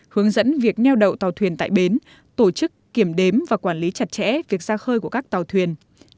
hướng dẫn việc neo đậu tàu thuyền tại bến tổ chức kiểm đếm và quản lý chặt chẽ việc ra khơi của các tàu thuyền